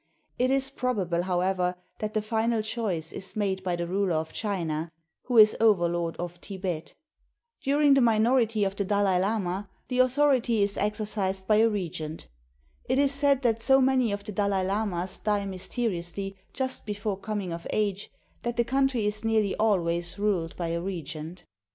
It is probable, however, that the final choice is made by the ruler of China, who is overlord of Thibet. During the minority of the Dalai Lama the au thority is exercised by a regent. It is said that so many of the Dalai Lamas die mysteriously just before coming of age, that the country is nearly always ruled by a regent.